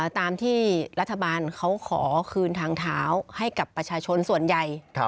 ตามที่รัฐบาลเขาขอคืนทางเท้าให้กับประชาชนส่วนใหญ่